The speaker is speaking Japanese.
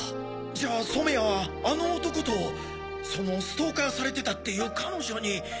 じゃあ染谷はあの男とそのストーカーされてたっていう彼女に。